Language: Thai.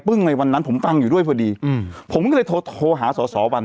ในวันนั้นผมฟังอยู่ด้วยพอดีอืมผมก็เลยโทรหาสอสอวัน